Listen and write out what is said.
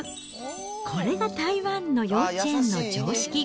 これが台湾の幼稚園の常識。